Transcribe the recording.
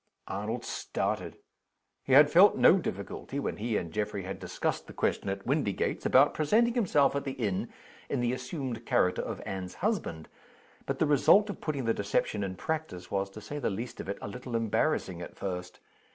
Arnold started. He had felt no difficulty (when he and Geoffrey had discussed the question at Windygates) about presenting himself at the inn in the assumed character of Anne's husband. But the result of putting the deception in practice was, to say the least of it, a little embarrassing at first.